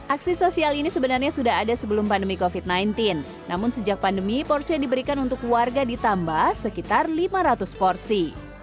aksi sosial ini sebenarnya sudah ada sebelum pandemi covid sembilan belas namun sejak pandemi porsi yang diberikan untuk warga ditambah sekitar lima ratus porsi